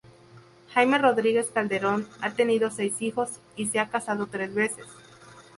Jaime Rodríguez Calderón ha tenido seis hijos y se ha casado tres veces.